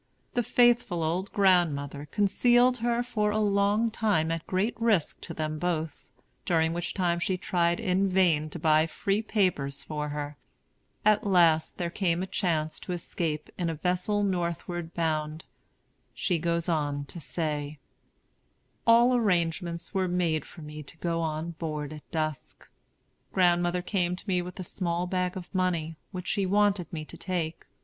The faithful old grandmother concealed her for a long time at great risk to them both, during which time she tried in vain to buy free papers for her. At last there came a chance to escape in a vessel Northward bound. She goes on to say: ] "All arrangements were made for me to go on board at dusk. Grandmother came to me with a small bag of money, which she wanted me to take.